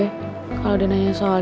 bisa bahwa bukan asal